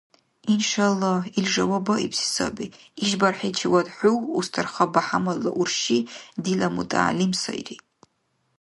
Иншааллагь, ил жаваб баибси саби: ишбархӀиличивад хӀу, Устарха БяхӀяммадла урши, дила мутагӀялим сайри.